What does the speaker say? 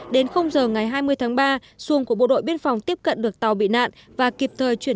đến giờ ngày hai mươi tháng ba xuồng của bộ đội biên phòng tiếp cận được tàu bị nạn và kịp thời chuyển